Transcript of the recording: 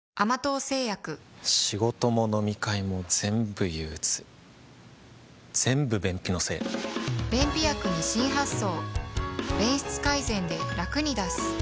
仕事も飲み会もぜんぶ憂鬱ぜんぶ便秘のせい便秘薬に新発想